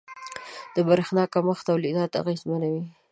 • د برېښنا کمښت تولیدات اغېزمنوي.